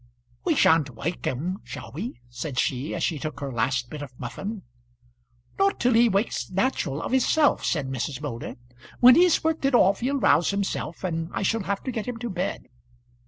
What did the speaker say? "We sha'n't wake him, shall we?" said she, as she took her last bit of muffin. "Not till he wakes natural, of hisself," said Mrs. Moulder. "When he's worked it off, he'll rouse himself, and I shall have to get him to bed."